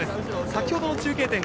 先ほどの中継点